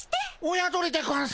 親鳥でゴンス。